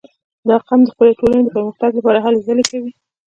• دا قوم د خپلې ټولنې د پرمختګ لپاره هلې ځلې کوي.